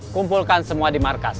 kumpulkan semua di markas